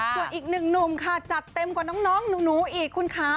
ส่วนอีกหนึ่งหนุ่มค่ะจัดเต็มกว่าน้องหนูอีกคุณคะ